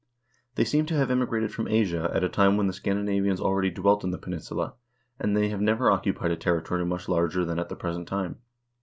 3 They seem to have immigrated from Asia at a time when the Scandinavians already dwelt in the peninsula, and they have never occupied a territory much larger than at the present time.